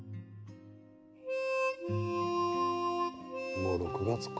もう６月か。